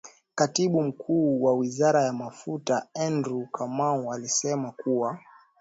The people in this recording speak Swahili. Katibu Mkuu wa Wizara ya Mafuta Andrew Kamau alisema kuwa